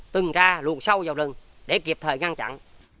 tuần tra luồn sâu vào rừng để kịp thời ngăn chặn